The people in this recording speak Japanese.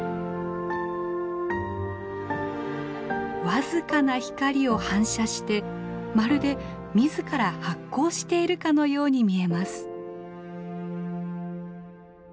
僅かな光を反射してまるで自ら発光しているかのように見えます。